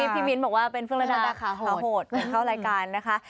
มิ้นบอกว่าเป็นพวกระดับขาโหดก่อนเข้ารายการนะคะ